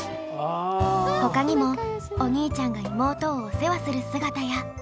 他にもお兄ちゃんが妹をお世話する姿や。